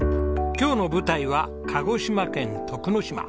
今日の舞台は鹿児島県徳之島。